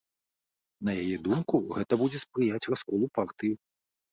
На яе думку, гэта будзе спрыяць расколу партыі.